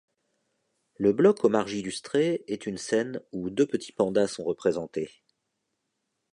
Le bloc aux marges illustrés est une scène où deux petits pandas sont représentés.